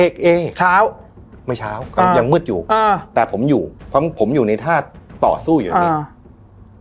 เช้าไม่เช้าอ่ายังมืดอยู่อ่าแต่ผมอยู่ผมอยู่ในท่าต่อสู้อยู่นี่อ่า